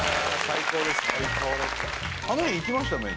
最高でしたね